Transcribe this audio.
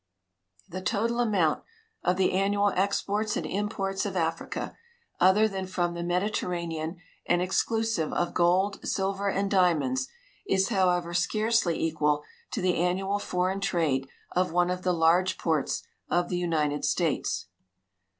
The total amount of the annual exports and imports of Africa other than from the Mediterranean and exclusive of gold, silver, and diamonds is, however, scarcely equal to the annual foreign trade of one of the large ports of the United States.